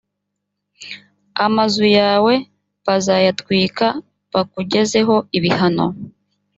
amazu yawe bazayatwika bakugezeho ibihano